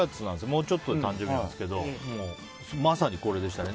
もうちょっとで誕生日なんですけどまさにこれでしたね。